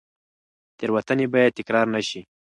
تېروتنې باید تکرار نه شي.